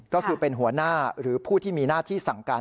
ก็คือเป็นหัวหน้าหรือผู้ที่มีหน้าที่สั่งการ